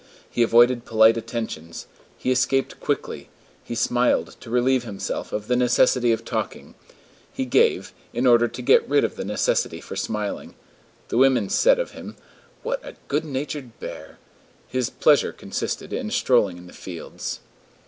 He avoided polite attentions; he escaped quickly; he smiled to relieve himself of the necessity of talking; he gave, in order to get rid of the necessity for smiling. The women said of him, "What a good natured bear!" His pleasure consisted in strolling in the fields.